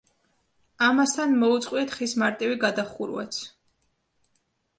ამასთან მოუწყვიათ ხის მარტივი გადახურვაც.